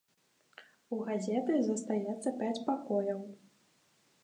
У газеты застаецца пяць пакояў.